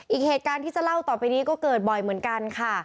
อีกเหตุการณ์ที่จะเล่าต่อไปนี้ก็เกิดบ่อยเหมือนกันค่ะ